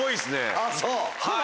あぁそう？はい。